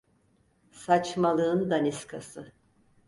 Saçmalığın daniskası.